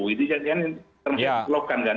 itu jadinya termasuk keblogan kan